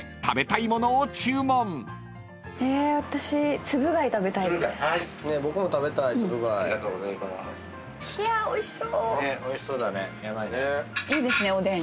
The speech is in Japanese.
いいですねおでん。